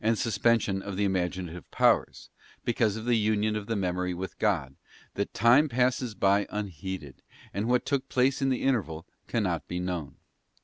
suspension of the imaginative powers, because of the union of the memory with God, that time passes by unheeded, and what took place in the interval cannot be known.